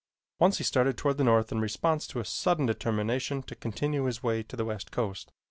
Once he started toward the north in response to a sudden determination to continue his way to the west coast.